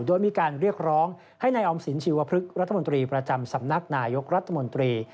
โดยมีการเรียกร้องให้นายออมสินชีวพฤกษรัฐมนตรีประจำสำนักนายกรัฐมนตรี